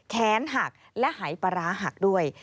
แขนหักและหายปลาร้าหักด้วย